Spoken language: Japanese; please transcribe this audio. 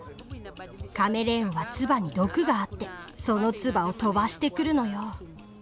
カメレオンはつばに毒があってそのつばを飛ばしてくるのよ。